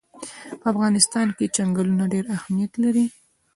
په افغانستان کې چنګلونه ډېر اهمیت لري.